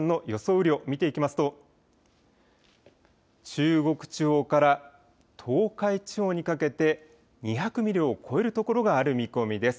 雨量、見ていきますと中国地方から東海地方にかけて２００ミリを超えるところがある見込みです。